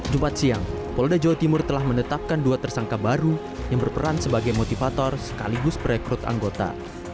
jumat siang polda jawa timur telah menetapkan dua tersangka baru yang berperan sebagai motivator sekaligus perekrut anggota